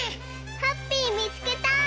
ハッピーみつけた！